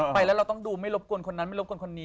ไปแล้วเราต้องดูไม่รบกวนคนนั้นไม่รบกวนคนนี้